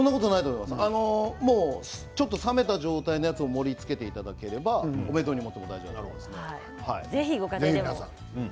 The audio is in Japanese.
ちょっと冷めた状態のやつを盛りつけていただければお弁当にもなると思います。